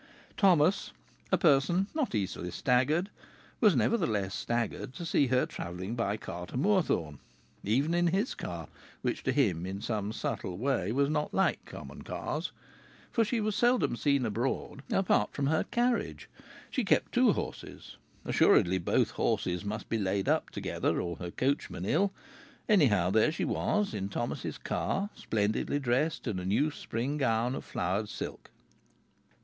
Thomas, a person not easily staggered, was nevertheless staggered to see her travelling by car to Moorthorne even in his car, which to him in some subtle way was not like common cars for she was seldom seen abroad apart from her carriage. She kept two horses. Assuredly both horses must be laid up together, or her coachman ill. Anyhow, there she was, in Thomas's car, splendidly dressed in a new spring gown of flowered silk.